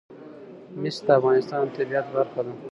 مس د افغانستان د طبیعت برخه ده.